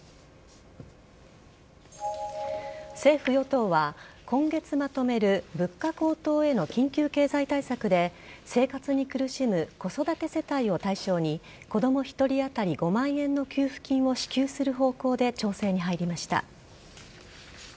政府与党は今月まとめる物価高騰への緊急経済対策で生活に苦しむ子育て世帯を対象に子供１人当たり５万円の給付金を支給する方向で調整に入りました。